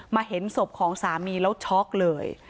เห็นศพของสามีแล้วช็อกเลย